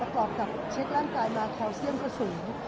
กับเช็คร่างกายมาคารเซียมมันก็สูง